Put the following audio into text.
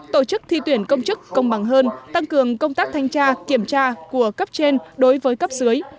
tổ chức thi tuyển công chức công bằng hơn tăng cường công tác thanh tra kiểm tra của cấp trên đối với cấp dưới